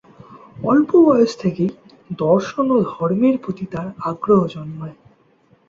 অল্প বয়স থেকেই দর্শন ও ধর্মের প্রতি তার আগ্রহ জন্মায়।